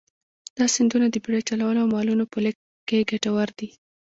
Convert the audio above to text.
دا سیندونه د بېړۍ چلولو او مالونو په لېږد کې کټوردي.